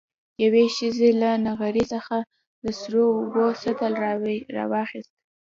يوې ښځې له نغري څخه د سرو اوبو سطل واخېست.